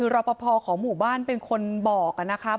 รอบพภอความของหมู่บ้านเป็นคนบอก